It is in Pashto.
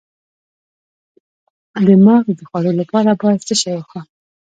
د مغز د خوړو لپاره باید څه شی وخورم؟